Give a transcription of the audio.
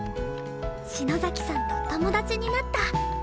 篠崎さんと友達になった